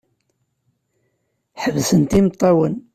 Ḥebsent imeṭṭawen.